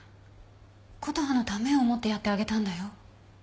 琴葉のためを思ってやってあげたんだよ？